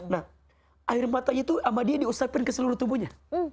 nah air mata itu sama dia diusapkan ke seluruh tubuhnya